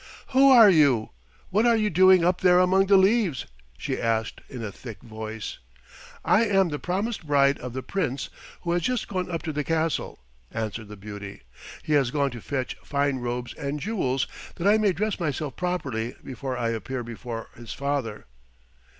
"Who are you? What are you doing up there among the leaves?" she asked in a thick voice. "I am the promised bride of the Prince who has just gone up to the castle," answered the beauty. "He has gone to fetch fine robes and jewels that I may dress myself properly before I appear before his father."